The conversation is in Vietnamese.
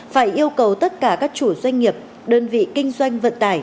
phải yêu cầu tất cả các chủ doanh nghiệp đơn vị kinh doanh vận tải